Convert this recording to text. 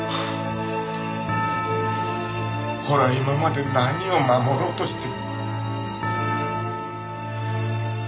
俺は今まで何を守ろうとして。